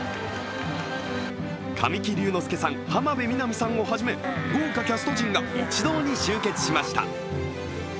神木隆之介さん、浜辺美波さんをはじめ豪華キャスト陣が一堂に集結しました。